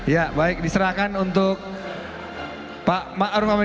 ya baik diserahkan untuk pak arun pakmin